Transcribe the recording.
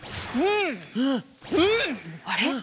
あれ？